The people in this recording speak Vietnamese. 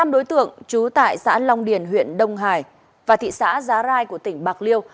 năm đối tượng trú tại xã long điền huyện đông hải và thị xã giá rai của tỉnh bạc liêu